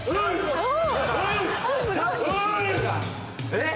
えっ？